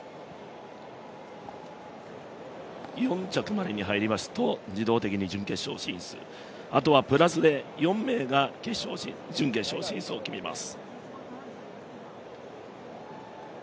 ４着までに入りますと自動的に準決勝進出、あとはプラスで４名が準決勝進出を決めます。